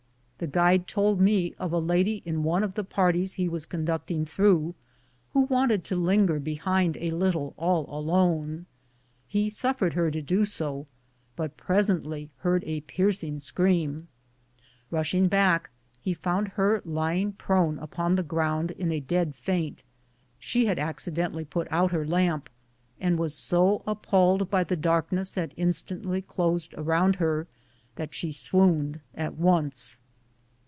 The guide told me of a lady in one of the par ties he was conducting through, who wanted to linger behind a little all alone ; he suffered her to do so, but presently heard a piercing scream. Rushing back he found her lying prone upon IN MAMMOTH CAVE 245 the 'ground in a dead faint. She had acciden tally put out her lamp, and was so appalled by the darkness that instantly closed around her that she swooned at once.